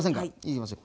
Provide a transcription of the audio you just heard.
いきますよ。